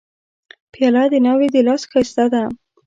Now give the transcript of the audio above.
پیاله د ناوې د لاس ښایسته ده.